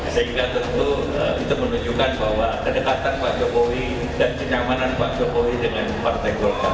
sehingga tentu itu menunjukkan bahwa kedekatan pak jokowi dan kenyamanan pak jokowi dengan partai golkar